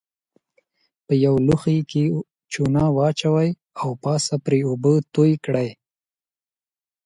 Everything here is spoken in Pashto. په یوه لوښي کې چونه واچوئ او پاسه پرې اوبه توی کړئ.